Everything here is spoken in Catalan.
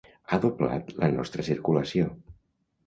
Ha doblat la nostra circulació.